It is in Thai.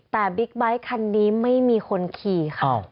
แต่บิ๊กไบท์คันนี้ไม่มีคนขี่ค่ะ